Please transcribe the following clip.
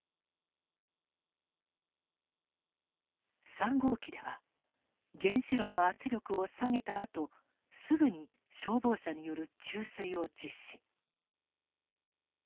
３号機では原子炉の圧力を下げたあとすぐに消防車による注水を実施。